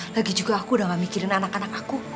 lagi juga aku udah gak mikirin anak anak aku